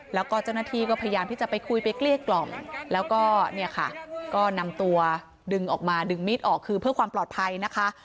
แล้วก็เจ้าหน้าที่ก็พยายามที่จะไปคุยไปเกลี้ยกล่อมแล้วก็เนี่ยค่ะก็นำตัวดึงออกมาดึงมีดออกคือเพื่อความปลอดภัยนะคะ